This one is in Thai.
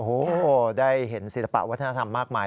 โอ้โหได้เห็นศิลปะวัฒนธรรมมากมาย